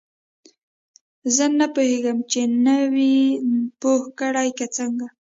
زه نه پوهیږم چا نه وې پوه کړې که څنګه.